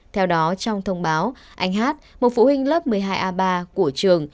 theo đó trong thông báo anh hát một phụ huynh lớp một mươi hai a ba của trường